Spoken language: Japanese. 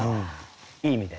いい意味でね。